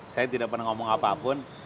saya tidak pernah ngomong apapun